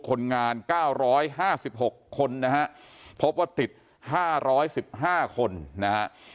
คนงาน๙๕๖คนนะครับพบว่าติด๕๑๕คนนะครับ